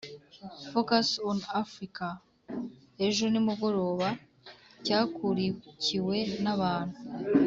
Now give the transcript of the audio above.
«focus on afrika» ejo nimugoroba cyakurikiwe n'abantu